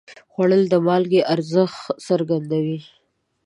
خوړل د مالګې ارزښت څرګندوي